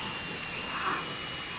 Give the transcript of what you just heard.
あっ。